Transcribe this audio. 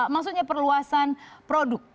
maksudnya perluasan produk